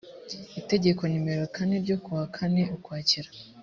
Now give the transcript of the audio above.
itegeko nimero kane ryo ku wa kane ukwakira